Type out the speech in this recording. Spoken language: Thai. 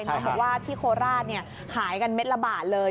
เขาบอกว่าที่โคราชขายกันเม็ดละบาทเลย